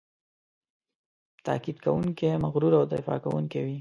تاکید کوونکی، مغرور او دفاع کوونکی وي.